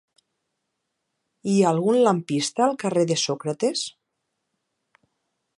Hi ha algun lampista al carrer de Sòcrates?